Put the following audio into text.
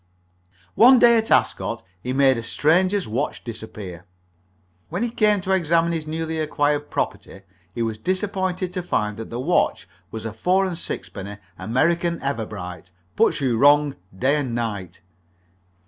One day at Ascot he made a stranger's watch disappear. When he came to examine his newly acquired property he was disappointed to find that the watch was a four and sixpenny American Everbright "Puts you wrong, Day and night."